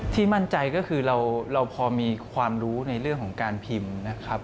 มั่นใจก็คือเราพอมีความรู้ในเรื่องของการพิมพ์นะครับ